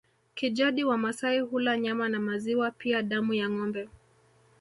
Kijadi Wamasai hula nyama na maziwa pia damu ya ngombe